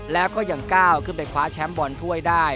แล้วก็ยังก้าวขึ้นไปคว้าแชมป์บอลถ้วยได้